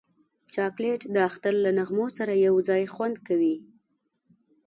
چاکلېټ د اختر له نغمو سره یو ځای خوند کوي.